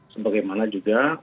sebagai mana juga